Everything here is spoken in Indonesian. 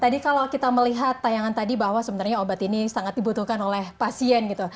tadi kalau kita melihat tayangan tadi bahwa sebenarnya obat ini sangat dibutuhkan oleh pasien gitu